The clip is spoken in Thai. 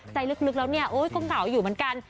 ใจลึกแล้วเนี่ยโอ๊ยก็เหงาอยู่เหมือนกัน